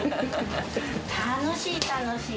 楽しい楽しい！